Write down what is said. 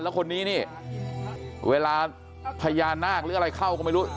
แล้วคนนี้นี่เวลาพญานาคหรืออะไรเข้าก็ไม่รู้